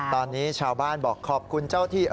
ตอนนี้ชาวบ้านบอกขอบคุณเจ้าที่